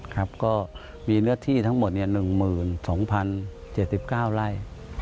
ครับก็มีเนื้อที่ทั้งหมด๑๒๐๗๙ไร่